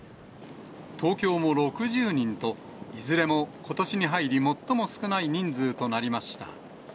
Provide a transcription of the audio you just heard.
東京も６０人と、いずれもことしに入り、最も少ない人数となりました。